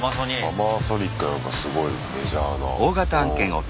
サマーソニックなんかすごいメジャーなうん。